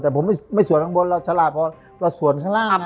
แต่ผมไม่ส่วนข้างบนเราฉลาดพอเราส่วนข้างล่าง